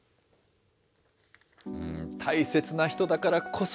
大切な人だからこそ、